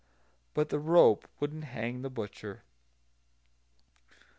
But the rope wouldn't hang the butcher.